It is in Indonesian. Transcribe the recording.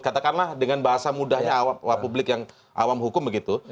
katakanlah dengan bahasa mudahnya publik yang awam hukum begitu